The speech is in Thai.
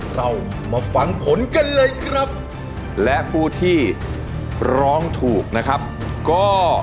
เรามาฟังผลกันเลยครับและผู้ที่ร้องถูกนะครับก็